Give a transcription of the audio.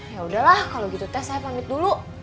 ya udahlah kalau gitu tes saya pamit dulu